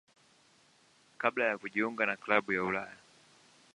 kabla ya kujiunga na klabu ya Ulaya.